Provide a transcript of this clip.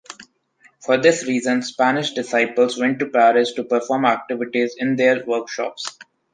For this reason, Spanish disciples went to Paris to perform activities in their workshops.